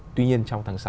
tuy nhiên trong tháng sáu